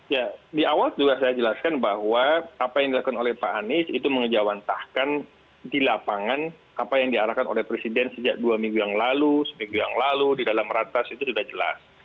ya di awal juga saya jelaskan bahwa apa yang dilakukan oleh pak anies itu mengejawantahkan di lapangan apa yang diarahkan oleh presiden sejak dua minggu yang lalu seminggu yang lalu di dalam ratas itu sudah jelas